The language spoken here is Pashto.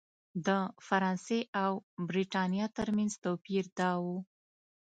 د فرانسې او برېټانیا ترمنځ توپیر دا و.